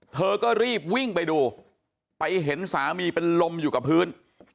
เธอก็รีบวิ่งไปดูไปเห็นสามีเป็นลมอยู่กับพื้น